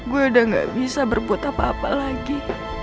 gue udah gak bisa berbuat apa apa lagi